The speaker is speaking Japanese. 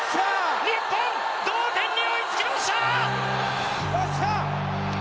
日本、同点に追いつきました！